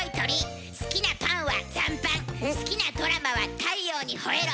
好きなパンは残飯好きなドラマは『太陽にほえろ』。